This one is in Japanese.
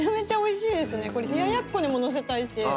これ冷ややっこにも載せたいし。